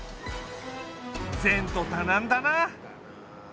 前途多難だな。